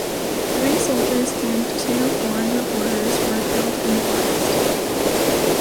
Three soldiers and two foreign reporters were killed in the blast.